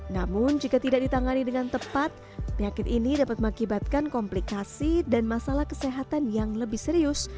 namun jika tidak ditangani dengan tepat penyakit ini dapat mengakibatkan komplikasi dan masalah kesehatan yang lebih serius